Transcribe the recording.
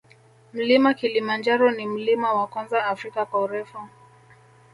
Mlima kilimanjaro ni mlima wa kwanza afrika kwa urefu